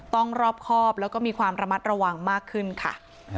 รอบครอบแล้วก็มีความระมัดระวังมากขึ้นค่ะ